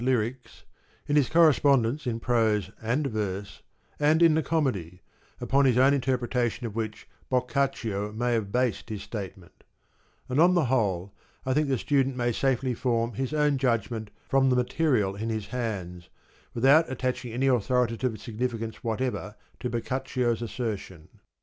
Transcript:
lyrics, in his correspondence in prose and verse, and in the Comedy, upon his own interpretation of which Boccaccio may have based his statement ; and on the whole I think the student may safely form his own judgment from the material in his hands, without attaching any authoritative significance whatever to Boccaccio's assertion.